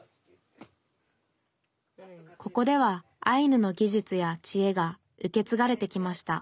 ここではアイヌの技術やちえが受け継がれてきました。